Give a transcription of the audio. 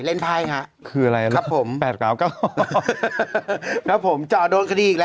เล็งไพ่ครับคืออะไรครับผมแปปการว่าก็ออกนะผมจะโดนคดี